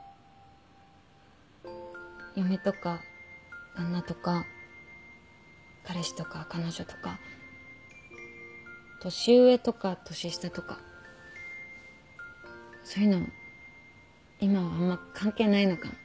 嫁とか旦那とか彼氏とか彼女とか年上とか年下とかそういうの今はあんま関係ないのかも。